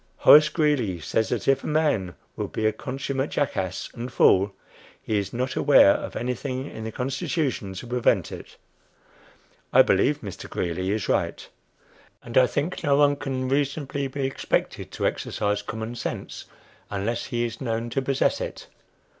Horace Greeley says that if a man will be a consummate jackass and fool, he is not aware of anything in the Constitution to prevent it. I believe Mr. Greeley is right; and I think no one can reasonably be expected to exercise common sense unless he is known to possess it.